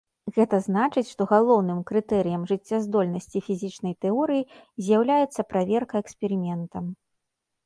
Гэта значыць, што галоўным крытэрыем жыццяздольнасці фізічнай тэорыі з'яўляецца праверка эксперыментам.